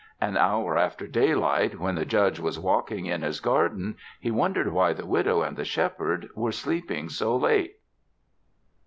An hour after daylight, when the Judge was walking in his garden, he wondered why the widow and the Shepherd were sleeping so late.